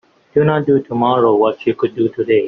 Do not do tomorrow what you could do today.